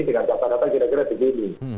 dengan kata kata kira kira begini